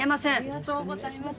ありがとうございます